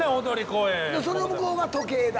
でその向こうが時計台。